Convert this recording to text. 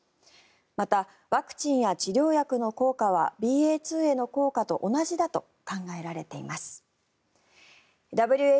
また、ワクチンや治療薬の効果はＢＡ．２への効果と同じだと考えられています。